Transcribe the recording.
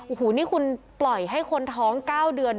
โอ้โหนี่คุณปล่อยให้คนท้อง๙เดือน